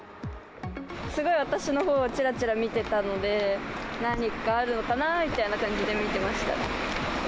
すごい私のほうをちらちら見てたので、何かあるのかな、みたいな感じで見てましたね。